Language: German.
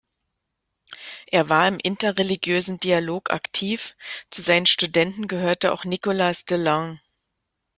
Er war im interreligiösen Dialog aktiv, zu seinen Studenten gehörte auch Nicholas de Lange.